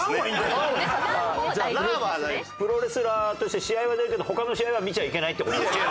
プロレスラーとして試合は出るけど他の試合は見ちゃいけないって事ですね。